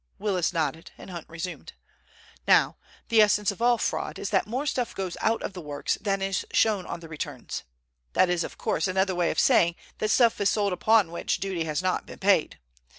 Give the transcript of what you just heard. Willis nodded, and Hunt resumed. "Now, the essence of all fraud is that more stuff goes out of the works than is shown on the returns. That is, of course, another way of saying that stuff is sold upon which duty has not been paid.